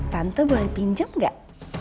tante boleh pinjam gak